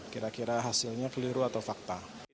kira kira hasilnya keliru atau fakta